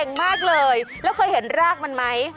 มากเลยแล้วเคยเห็นรากมันไหม